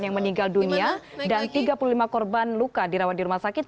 yang meninggal dunia dan tiga puluh lima korban luka dirawat di rumah sakit